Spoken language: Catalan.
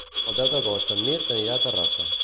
El deu d'agost en Mirt anirà a Terrassa.